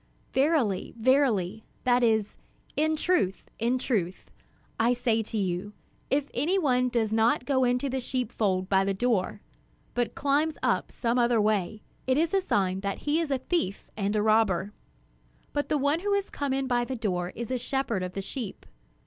"Verily, verily (that is, 'in truth, in truth'), I say to you, if any one does not go into the sheepfold by the door, but climbs up some other way, it is a sign that he is a thief and a robber. But the one who comes in by the door is a shepherd of the sheep.